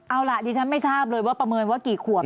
เอาล่ะดิฉันไม่ทราบเลยว่าประเมินว่ากี่ขวบ